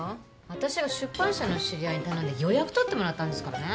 私が出版社の知り合いに頼んで予約取ってもらったんですからね。